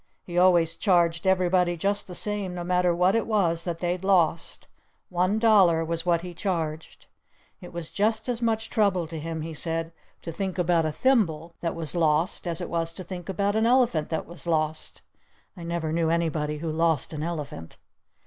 He always charged everybody just the same no matter what it was that they'd lost. One dollar was what he charged. It was just as much trouble to him he said to think about a thimble that was lost as it was to think about an elephant that was lost. I never knew anybody who lost an elephant.